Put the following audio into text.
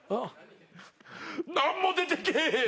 何も出てけえへん。